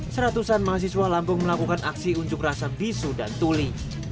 seratusan mahasiswa lampung melakukan aksi unjuk rasa bisu dan tuli